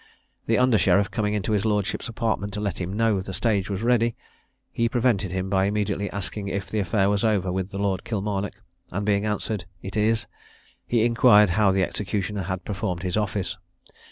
The under sheriff coming into his lordship's apartment to let him know the stage was ready, he prevented him by immediately asking if the affair was over with the Lord Kilmarnock; and being answered, "It is," he inquired how the executioner had performed his office.